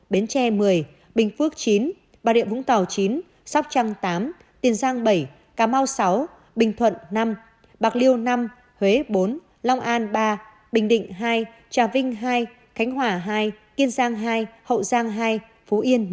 bến tre một mươi bình phước chín bà rịa vũng tàu chín sóc trăng tám tiền giang bảy cà mau sáu bình thuận năm bạc liêu năm huế bốn long an ba bình định hai trà vinh hai khánh hòa hai kiên giang hai hậu giang hai phú yên